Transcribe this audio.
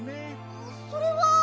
それは。